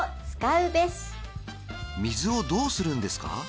水をどうするんですか？